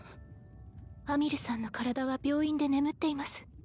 亜未琉さんの体は病院で眠っています。